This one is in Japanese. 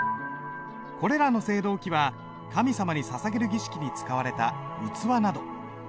これらの青銅器は神様にささげる儀式に使われた器など。